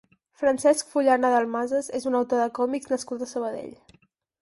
Francesc Fullana Dalmases és un autor de còmics nascut a Sabadell.